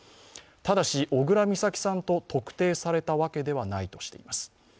ただし、小倉美咲さんと特定されたわけではないとしています。